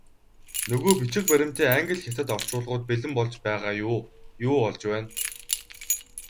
Нөгөө бичиг баримтын англи, хятад орчуулгууд бэлэн болж байгаа юу, юу болж байна?